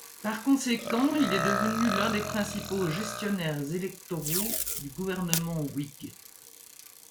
Par conséquent, il est devenu l'un des principaux gestionnaires électoraux du gouvernement Whig.